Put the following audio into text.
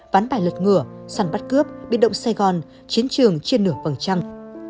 ván bài lật ngựa săn bắt cướp biết động sài gòn chiến trường trên nửa phần trăng